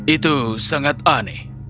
itu sangat aneh